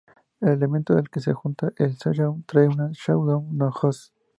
El elemento al que se adjunta el Shadow tree es un Shadow host.